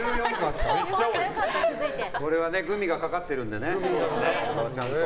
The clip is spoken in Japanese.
これはグミがかかっているのでね。